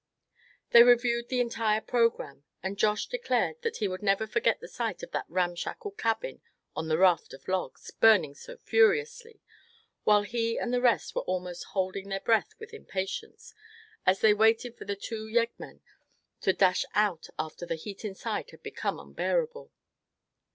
They reviewed the entire programme, and Josh declared that he would never forget the sight of that ramshackle cabin on the raft of logs, burning so furiously, while he and the rest were almost holding their breath with impatience, as they waited for the two yeggmen to dash out after the heat inside had become unbearable.